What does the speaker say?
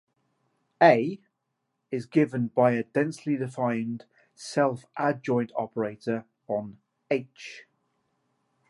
"A" is given by a densely defined self-adjoint operator on "H".